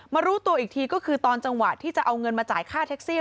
รู้ตัวอีกทีก็คือตอนจังหวะที่จะเอาเงินมาจ่ายค่าแท็กซี่